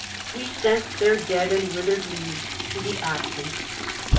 We 134 sent their dead and withered leaves to the absent.